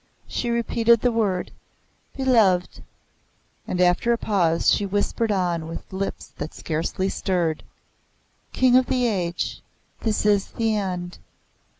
She repeated the word, "Beloved"; and after a pause she whispered on with lips that scarcely stirred, "King of the Age, this is the end."